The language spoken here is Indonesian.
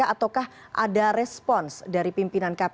ataukah ada respons dari pimpinan kpk